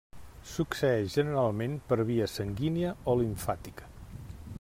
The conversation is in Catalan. Succeeix generalment per via sanguínia o limfàtica.